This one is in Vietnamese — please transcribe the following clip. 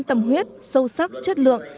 tâm huyết sâu sắc chất lượng